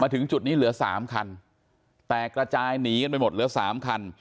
ถึงจุดนี้เหลือ๓คันแตกกระจายหนีกันไปหมดเหลือ๓คัน